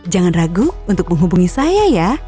jangan ragu untuk menghubungi saya ya